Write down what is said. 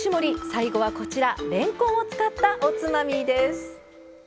最後はこちられんこんを使ったおつまみです。